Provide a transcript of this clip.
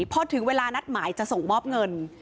พอถึงเวลานัดหมายจะส่งมอบเงิน